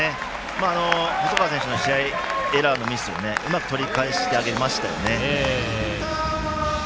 細川選手のエラーをうまく取り返してあげましたよね。